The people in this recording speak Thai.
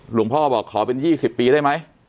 พ่อบอกขอเป็น๒๐ปีได้ไหม